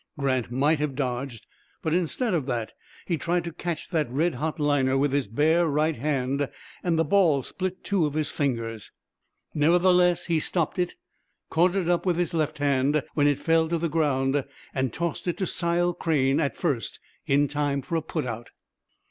Grant might have dodged, but, instead of that, he tried to catch that red hot liner with his bare right hand, and the ball split two of his fingers. Nevertheless, he stopped it, caught it up with his left hand when it fell to the ground, and tossed it to Sile Crane at first in time for a put out.